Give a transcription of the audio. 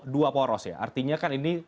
dua poros ya artinya kan ini